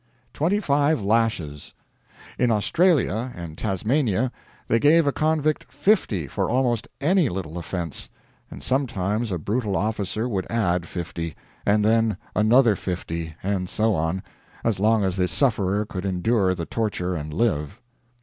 Twenty five lashes! In Australia and Tasmania they gave a convict fifty for almost any little offense; and sometimes a brutal officer would add fifty, and then another fifty, and so on, as long as the sufferer could endure the torture and live.